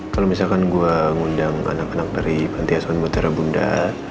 kalo misalkan gue ngundang anak anak dari panti ason mutera bunda